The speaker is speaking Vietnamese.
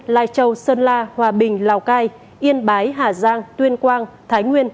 lai châu sơn la hòa bình lào cai yên bái hà giang tuyên quang thái nguyên